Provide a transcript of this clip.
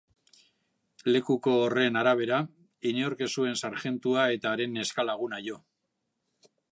Lekuko horren arabera, inork ez zuen sarjentua eta haren neska-laguna jo.